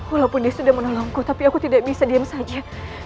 walaupun dia sudah menolongku tapi aku tidak bisa diam saja